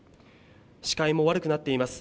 視界も悪くなっています。